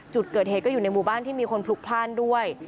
จุดเกิดเหตุก็อยู่ในหมู่บ้านที่มีคนพลุกพลาดด้วย